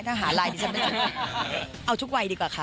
ถ้าหาไลน์ดิฉันไม่ต้องเอาทุกวัยดีกว่าค่ะ